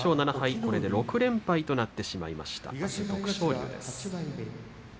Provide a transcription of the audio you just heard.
これで６連敗となってしまいました。